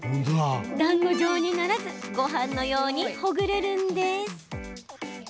だんご状にならずごはんのようにほぐれるんです。